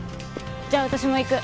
じゃあ私も行く。